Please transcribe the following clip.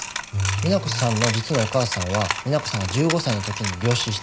美奈子さんの実のお母さんは美奈子さんが１５歳の時に病死しています。